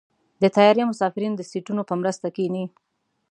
د طیارې مسافرین د سیټونو په مرسته کېني.